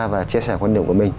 và chia sẻ quan điểm của mình